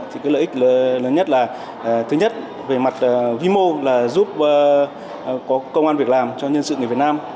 thì cái lợi ích lớn nhất là thứ nhất về mặt vi mô là giúp có công an việc làm cho nhân sự người việt nam